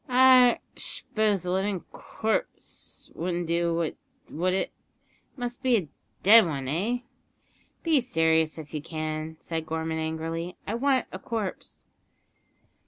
"I sh'pose a living corpse wouldn't do, would it? It must be a dead one eh?" "Be serious if you can," said Gorman angrily. "I want a corpse."